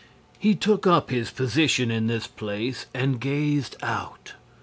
He took up his position in this place and gazed out.